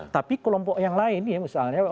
tapi kelompok yang lain ya misalnya